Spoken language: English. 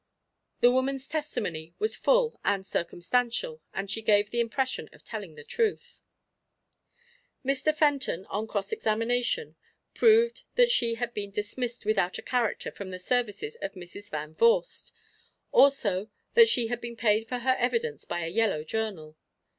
The woman's testimony was full and circumstantial, and she gave the impression of telling the truth. Mr. Fenton, on cross examination, proved that she had been dismissed without a character from the services of the Misses Van Vorst, also that she had been paid for her evidence by a yellow journal.